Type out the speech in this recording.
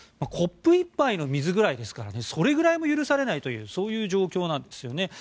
コップ１杯の水ぐらいですからそれぐらいも許されないというそういう状況なんですよね。